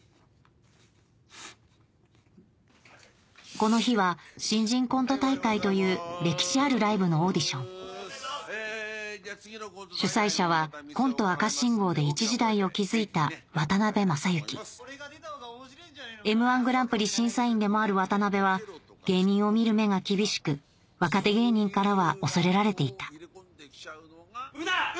この日は「新人コント大会」という歴史あるライブのオーディション主催者は「コント赤信号」で一時代を築いた渡辺正行『Ｍ−１グランプリ』審査員でもある渡辺は芸人を見る目が厳しく若手芸人からは恐れられていたウナラウ！